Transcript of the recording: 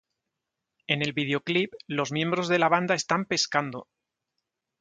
En el videoclip, los miembros de la banda están pescando.